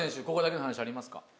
ここだけの話ありますか？